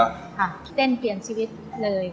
ค่ะเต้นเปลี่ยนชีวิตเลย